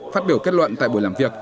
phát biểu kết luận tại buổi làm việc